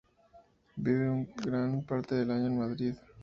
Vive gran parte del año en Madrid.